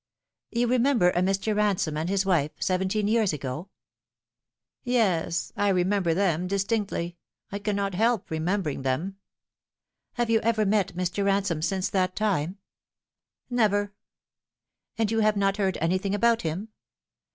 "You remember a Mr. Ransome and his wife, seventeen years ago ?"" Yes, I remember them distinctly. I cannot help remem bering 280 The Fatal Three. " Have you ever met Mr. Ransome since that time V " Never." " And you have not heard anything about him